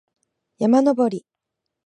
山登り